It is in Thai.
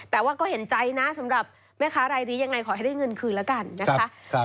แต่ว่าก็เห็นใจนะสำหรับแม่ค้ารายนี้ยังไงขอให้ได้เงินคืนแล้วกันนะคะ